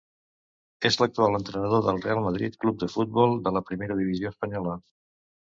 És l'actual entrenador del Real Madrid Club de Futbol de la primera divisió espanyola.